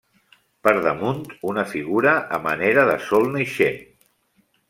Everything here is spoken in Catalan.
Per damunt, una figura a manera de sol naixent.